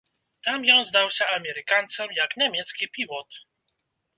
Там ён здаўся амерыканцам як нямецкі пілот.